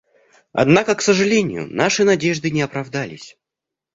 Однако, к сожалению, наши надежды на оправдались.